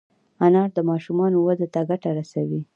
انار د ماشومانو وده ته ګټه رسوي.